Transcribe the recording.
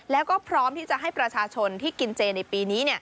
แล้วก็พร้อมที่จะให้ประชาชนที่กินเจในปีนี้